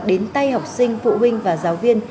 đến tay học sinh phụ huynh và giáo viên